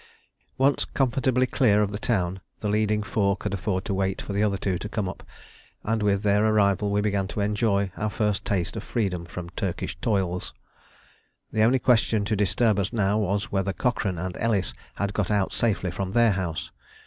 Once comfortably clear of the town, the leading four could afford to wait for the other two to come up, and with their arrival we began to enjoy our first taste of freedom from Turkish toils. The only question to disturb us now was whether Cochrane and Ellis had got out safely from their house.